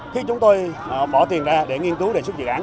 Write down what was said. khi chúng tôi bỏ tiền ra để nghiên cứu đề xuất dự án